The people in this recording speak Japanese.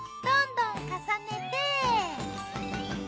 どんどん重ねて。